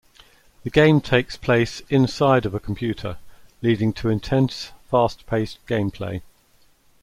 The game takes place inside of a computer, leading to intense, fast paced gameplay.